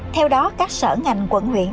theo đó các sở ngành quận huyện